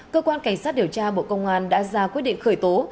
cơ quan cảnh sát điều tra bộ công an đã ra quyết định khởi tố